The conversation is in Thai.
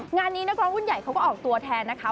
งานนี้นักร้องรุ่นใหญ่เขาก็ออกตัวแทนนะคะ